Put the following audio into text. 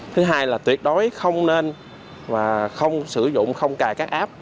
thứ hai là tuyệt đối không nên và không sử dụng không cài các app